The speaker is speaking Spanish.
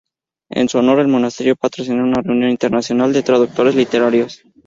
En su honor, el monasterio patrocinó una reunión internacional de traductores literarios.